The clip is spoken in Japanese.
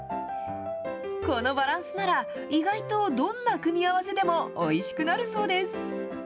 このバランスなら、意外とどんな組み合わせでもおいしくなるそうです。